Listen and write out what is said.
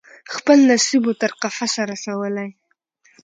خپل نصیب وو تر قفسه رسولی